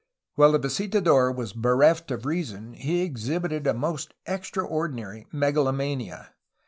While the visitador was bereft of reason he exhibited a most extraordinary megalomania.